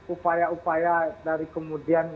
upaya upaya dari kemudian